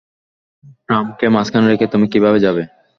টার্মকে মাঝখানে রেখে তুমি কিভাবে যাবে?